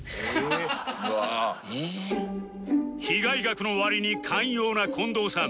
被害額の割に寛容な近藤さん